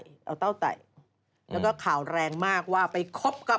แล้วก็ข่าวแรงมากว่าไปครบกับ